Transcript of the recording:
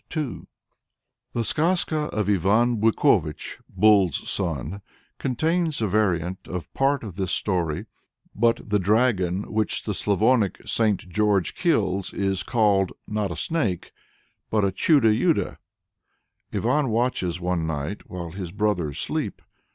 The skazka of Ivan Buikovich (Bull's son) contains a variant of part of this story, but the dragon which the Slavonic St. George kills is called, not a snake, but a Chudo Yudo. Ivan watches one night while his brothers sleep.